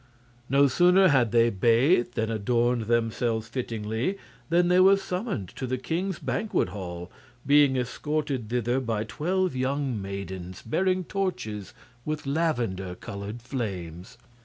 No sooner had they bathed and adorned themselves fittingly than they were summoned to the king's banquet hall, being escorted thither by twelve young maidens bearing torches with lavender colored flames.